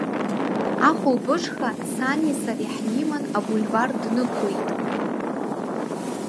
Ахәылбыҽха сани сареи ҳиман абульвар днықәлеит.